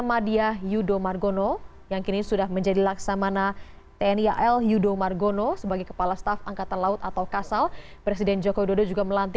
persiapan penandatanganan berita acara penandatanganan